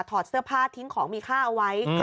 ถอดเสื้อผ้าทิ้งของมีค่าเอาไว้